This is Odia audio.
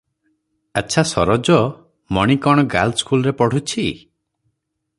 ଆଚ୍ଛା ସରୋଜ, ମଣି କଣ ଗାର୍ଲସ୍କୁଲରେ ପଢ଼ୁଛି?"